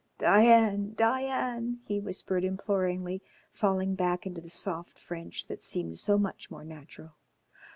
"Diane, Diane," he whispered imploringly, falling back into the soft French that seemed so much more natural.